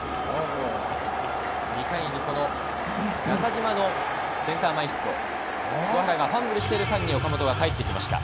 ２回に中島のセンター前ヒット、ファンブルの間に岡本が帰ってきました。